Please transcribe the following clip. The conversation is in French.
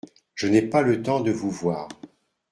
Je n’ai pas le temps de vous voir.